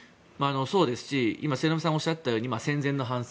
そうですし、今末延さんがおっしゃったみたいに戦前の反省。